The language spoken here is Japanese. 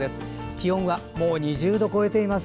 気温は、もう２０度超えています。